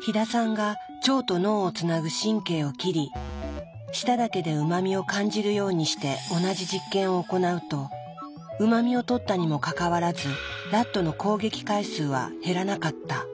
飛田さんが腸と脳をつなぐ神経を切り舌だけでうま味を感じるようにして同じ実験を行うとうま味をとったにもかかわらずラットの攻撃回数は減らなかった。